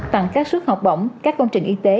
tặng các suất học bổng các công trình y tế